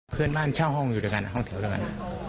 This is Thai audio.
เพื่อนบ้านเช่าห้องอยู่ด้วยกันห้องแถวเดียวกัน